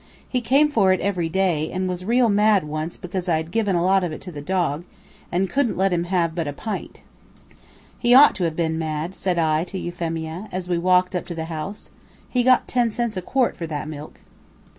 He came for it every day, and was real mad once because I had given a lot of it to the dog, and couldn't let him have but a pint." "He ought to have been mad," said I to Euphemia, as we walked up to the house. "He got ten cents a quart for that milk."